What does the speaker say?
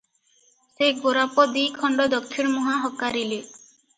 ସେ ଗୋରାପ ଦିଖଣ୍ଡ ଦକ୍ଷିଣମୁହାଁ ହକାରିଲେ ।